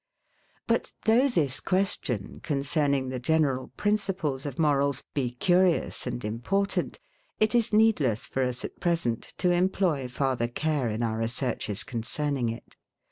But though this question, concerning the general principles of morals, be curious and important, it is needless for us, at present, to employ farther care in our researches concerning it.